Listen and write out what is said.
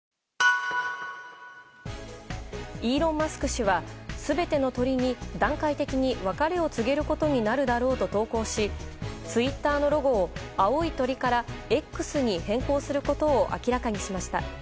氏は全ての鳥に、段階的に別れを告げることになるだろうと投稿しツイッターのロゴを青い鳥から「Ｘ」に変更することを明らかにしました。